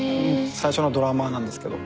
最初のドラマーなんですけど。